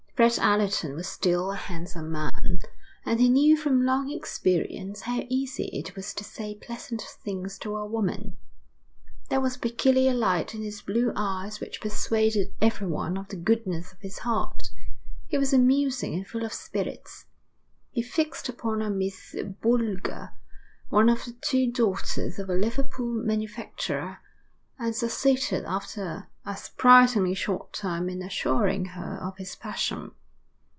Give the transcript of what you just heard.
Fred Allerton was still a handsome man, and he knew from long experience how easy it was to say pleasant things to a woman. There was a peculiar light in his blue eyes which persuaded everyone of the goodness of his heart. He was amusing and full of spirits. He fixed upon a Miss Boulger, one of the two daughters of a Liverpool manufacturer, and succeeded after a surprisingly short time in assuring her of his passion.